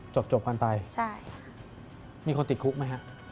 จบกันไปใช่มีคนติดคุกไหมฮะ